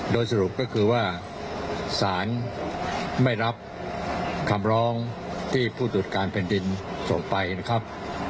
โดยสรุปก็คือว่าสารไม่รับคำร้องที่ผู้ตรวจการแผ่นดินส่งไปนะครับ